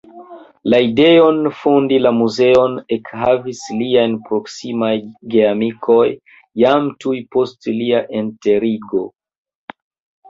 La ideon fondi la muzeon ekhavis liaj proksimaj geamikoj jam tuj post lia enterigo.